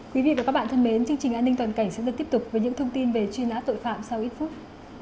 quý vị và các bạn thân mến chương trình an ninh toàn cảnh sẽ được tiếp tục với những thông tin về truy nã tội phạm sau ít phút